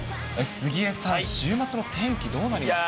杉江さん、週末の天気、どうなりますか。